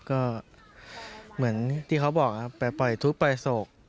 ก็เหมือนที่เขาบอกปล่อยทุกปล่อยศก